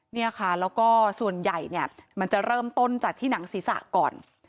เนี่ยค่ะแล้วก็ส่วนใหญ่เนี่ยมันจะเริ่มต้นจากที่หนังศีรษะก่อน